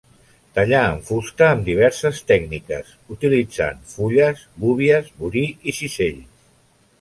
Tallà en fusta amb diverses tècniques, utilitzant fulles, gúbies, burí i cisells.